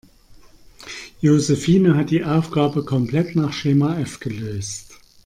Josephine hat die Aufgabe komplett nach Schema F gelöst.